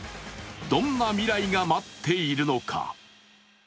どんな未来が待っているのか。